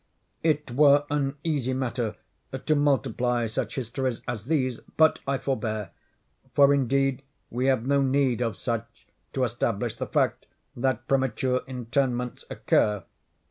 It were an easy matter to multiply such histories as these—but I forbear—for, indeed, we have no need of such to establish the fact that premature interments occur.